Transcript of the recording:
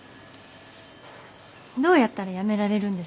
どうやったら辞められるんです？